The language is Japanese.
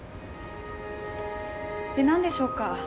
でなんでしょうか？